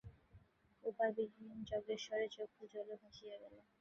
উপায়বিহীন যজ্ঞেশ্বরের চক্ষু জলে ভাসিয়া গেল।